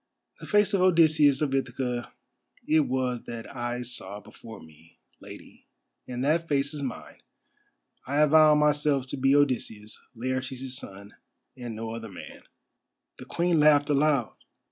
"The face of Odysseus of Ithaca it was that I saw before me, Lady, and that face is mine. I avow myself to be Odysseus, Laertes' son, and no other man." The Queen laughed aloud.